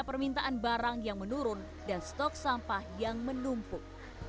permintaan barang yang menurun dan stok sampah yang menumpuk